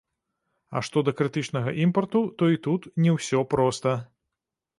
А што да крытычнага імпарту, то і тут не ўсё проста.